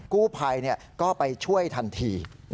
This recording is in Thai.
กู้ภัยก็ไปช่วยทันที